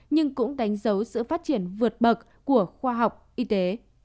nhưng cũng đánh dấu sự phát triển vượt bậc của khoa học y tế